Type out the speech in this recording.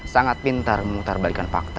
sangat pintar memutar balikan fakta